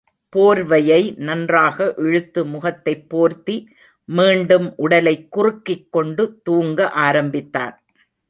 போர்வையை நன்றாக இழுத்து முகத்தைப் போர்த்தி, மீண்டும் உடலை குறுக்கிக் கொண்டுதூங்க ஆரம்பித்தான்.